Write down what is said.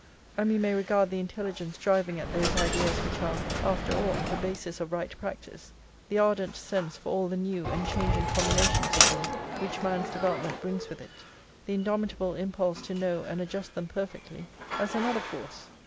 And we may regard the intelligence driving at those ideas which are, after all, the basis of right practice, the ardent sense for all the new and changing combinations of them which man's development brings with it, the indomitable impulse to know and adjust them perfectly, as another force.